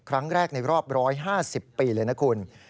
ครั้งแรกในรอบ๑๕๐ปีเลยนะคุณ